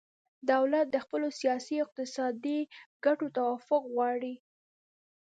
دولت د خپلو سیاسي او اقتصادي ګټو توافق غواړي